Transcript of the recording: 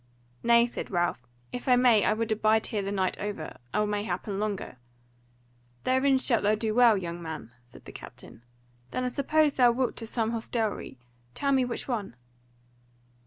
"Nay," said Ralph, "if I may, I would abide here the night over, or may happen longer." "Therein thou shalt do well, young man," said the captain; "then I suppose thou wilt to some hostelry? tell me which one."